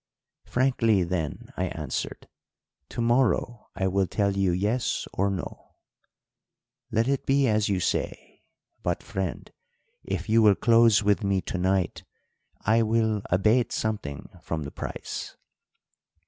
"'Frankly, then,' I answered, 'to morrow I will tell you yes or no.' "'Let it be as you say; but, friend, if you will close with me tonight I will abate something from the price.'